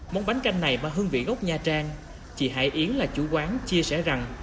món bánh canh này mà hương vị gốc nha trang chị hải yến là chủ quán chia sẻ rằng